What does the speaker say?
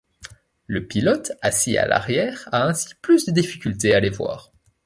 Le pilote assis à l'arrière a ainsi plus de difficultés à les voir.